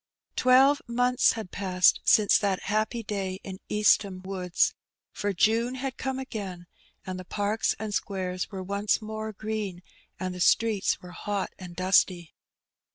Twelve months had passed since that happy day in East ham Woods, for June had come again ; and the parks and squares were once more green, and the streets were hot and dusty.